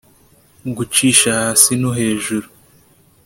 gucisha hasi no hejuru